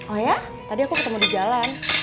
oh ya tadi aku ketemu di jalan